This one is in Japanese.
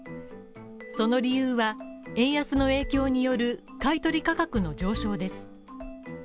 その理由は、円安の影響による買取価格の上昇です。